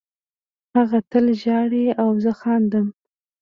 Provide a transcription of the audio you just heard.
هغه تل ژاړي او زه خاندم